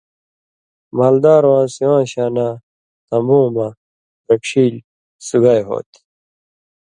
(مالدارواں سِواں شاناں) تمبوں مہ رڇھیلیۡ سُگائ ہو تھی۔